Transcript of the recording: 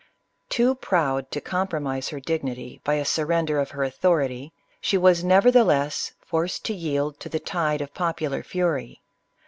Too proud to compromise her dignity, by a surrender of her authority, she was nevertheless forced to yield to the tide of popular fury.